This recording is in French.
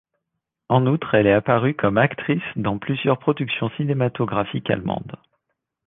En outre, elle est apparue comme actrice dans plusieurs productions cinématographiques allemandes.